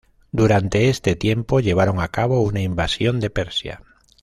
Durante este tiempo llevaron a cabo una invasión de Persia.